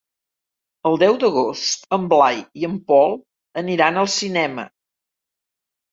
El deu d'agost en Blai i en Pol aniran al cinema.